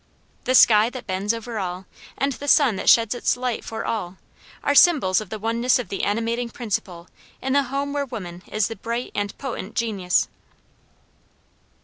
The sky that bends over all, and the sun that sheds its light for all, are symbols of the oneness of the animating principle in the home where woman is the bright and potent genius.